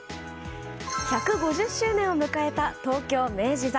１５０周年を迎えた東京・明治座。